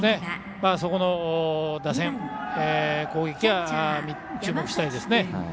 そこの打線、攻撃が注目したいですね。